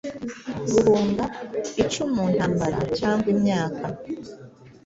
guhunga icumu-ntambaracyangwa imyaka